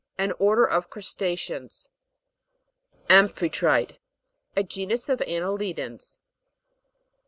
An J order of crusta'ceans. AMPHITRI'TK. A genus of anneli dans.